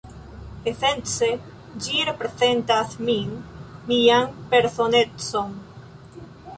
Esence, ĝi reprezentas min, mian personecon